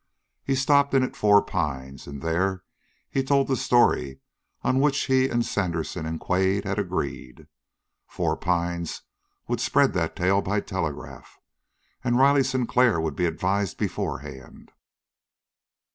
He stopped in at Four Pines, and there he told the story on which he and Sandersen and Quade had agreed. Four Pines would spread that tale by telegraph, and Riley Sinclair would be advised beforehand.